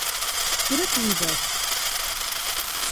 Ffret widak.